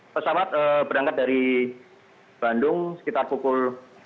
pesawat berangkat dari bandung sekitar pukul tujuh belas tiga puluh